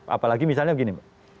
apalagi misalnya begini